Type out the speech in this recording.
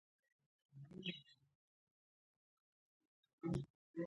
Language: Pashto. برلین او راتناو ښارونه سره یو ساعت واټن لري